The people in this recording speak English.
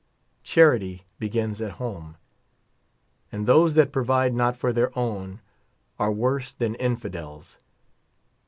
Charity begins at home, and those that provide not for their own, are worse than in fidels.